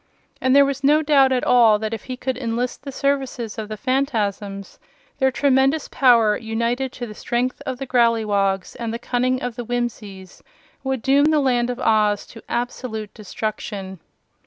And there was no doubt at all that if he could enlist the services of the Phanfasms, their tremendous power, united to the strength of the Growleywogs and the cunning of the Whimsies would doom the Land of Oz to absolute destruction.